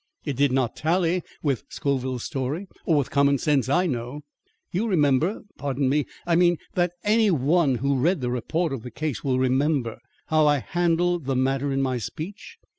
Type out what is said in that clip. It did not tally with Scoville's story or with common sense I know. You remember, pardon me, I mean that any one who read a report of the case, will remember how I handled the matter in my speech.